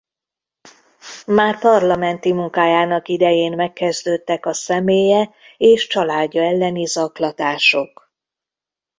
Már parlamenti munkájának idején megkezdődtek a személye és családja elleni zaklatások.